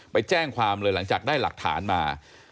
ไปแจ้งความเลยหลังจากได้หลักฐานมา